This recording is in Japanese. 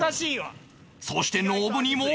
そしてノブにも